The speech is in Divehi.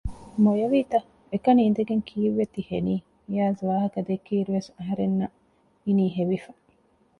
މޮޔަވީތަ؟ އެކަނި އިނދެގެން ކީއްވެ ތި ހެނީ؟ އިޔާޒް ވާހަކަ ދެއްކި އިރުވެސް އަހަރެންނަށް އިނީ ހެވިފަ